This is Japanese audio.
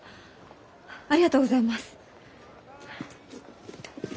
ありがとうございます。